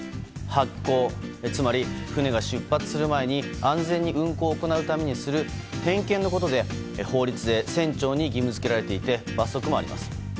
発航、つまり船が出発する前に安全に運航を行うためにする点検のことで法律で船長に義務付けられていて罰則もあります。